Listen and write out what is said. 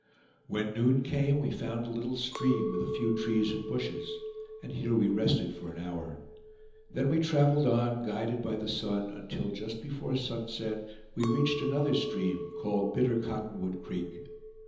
When noon came, we found a little stream, with a few trees and bushes; and here we rested for an hour. Then we traveled on, guided by the sun, until, just before sunset, we reached another stream, called Bitter Cotton wood Creek.